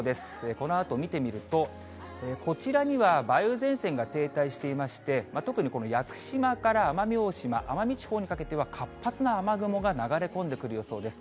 このあと見てみると、こちらには梅雨前線が停滞していまして、特にこの屋久島から奄美大島、奄美地方にかけては活発な雨雲が流れ込んでくる予想です。